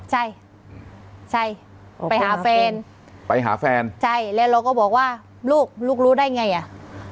ใช่ใช่ไปหาแฟนไปหาแฟนใช่แล้วเราก็บอกว่าลูกลูกรู้ได้ไงอ่ะ